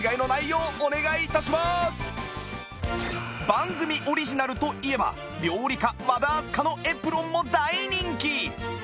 番組オリジナルといえば料理家和田明日香のエプロンも大人気